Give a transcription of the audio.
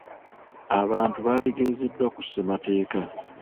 Abantu baategeezeddwa ku ssemateeka.